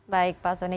baik pak sonia